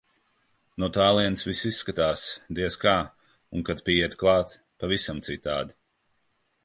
No tālienes viss izskatās, diez kā, un kad pieiet klāt - pavisam citādi.